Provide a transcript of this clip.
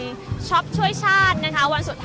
อาจจะออกมาใช้สิทธิ์กันแล้วก็จะอยู่ยาวถึงในข้ามคืนนี้เลยนะคะ